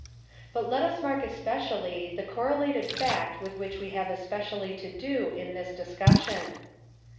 But let us mark especially the correlated fact with which we have especially to do in this dis cussion.